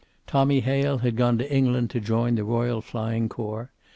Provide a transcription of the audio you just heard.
Tommy Hale had gone to England to join the Royal Flying Corps.